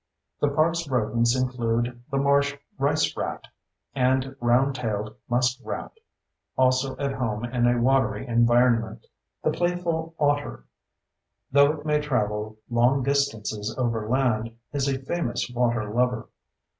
The park's rodents include the marsh rice rat and round tailed muskrat, also at home in a watery environment. The playful otter, though it may travel long distances overland, is a famous water lover.